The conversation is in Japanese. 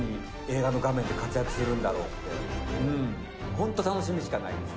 ホント楽しみしかないです。